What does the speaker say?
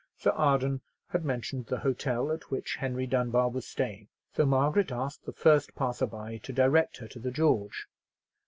Sir Arden had mentioned the hotel at which Henry Dunbar was staying; so Margaret asked the first passer by to direct her to the George.